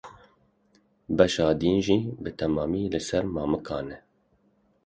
Beşa din jî bi temamî li ser mamikan e.